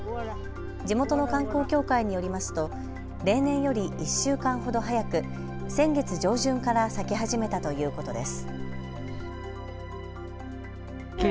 地元の観光協会によりますと例年より１週間ほど早く先月上旬から咲き始めたということです。